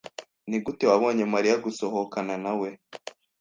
Nigute wabonye Mariya gusohokana nawe?